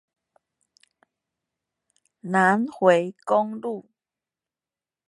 南迴公路